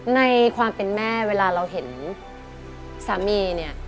ในความเป็นแม่เวลาเราเห็นสามีเนี่ย